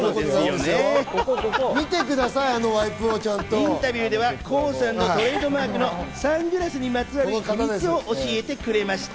インタビューではＫＯＯさんのトレードマークのサングラスにまつわる秘密を教えてくれました。